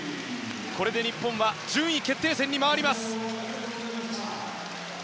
これで日本は順位決定戦に回ります。